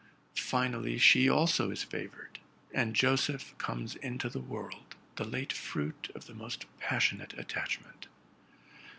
Finally she also is favored; and Joseph comes into the world, the late fruit of the most passionate attachment.